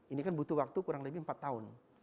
ini kan butuh waktu kurang lebih empat tahun